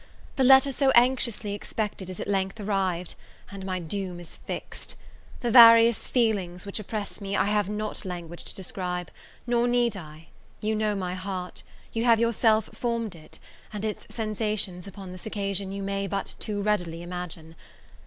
the letter so anxiously expected is at length arrived, and my doom is fixed. The various feelings which oppress me, I have not language to describe; nor need I you know my heart, you have yourself formed it and its sensations upon this occasion you may but too readily imagine.